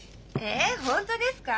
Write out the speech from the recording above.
え本当ですか？